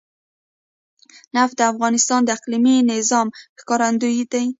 نفت د افغانستان د اقلیمي نظام ښکارندوی ده.